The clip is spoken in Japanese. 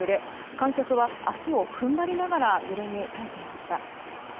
観客は足を踏ん張りながら揺れに耐えていました。